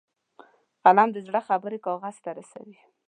قلم د زړه خبرې کاغذ ته رسوي